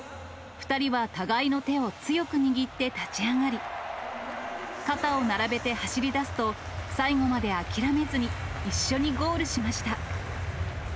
２人は互いの手を強く握って立ち上がり、肩を並べて走りだすと、最後まで諦めずに一緒にゴールしました。